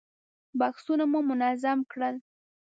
بکسونه مو منظم کړل.